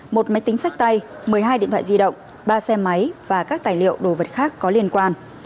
một máy tính sách tay một mươi hai điện thoại di động ba xe máy và các tài liệu đồ vật khác có liên quan